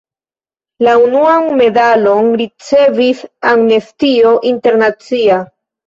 La unuan medalon ricevis Amnestio Internacia.